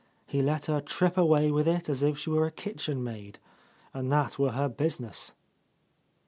He let her trip away with it as if she were a kitchen maid, and that were her business.